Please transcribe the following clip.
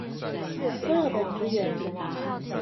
所有的資源